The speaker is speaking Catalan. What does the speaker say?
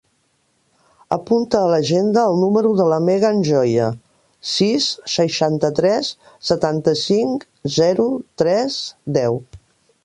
Apunta a l'agenda el número de la Megan Joya: sis, seixanta-tres, setanta-cinc, zero, tres, deu.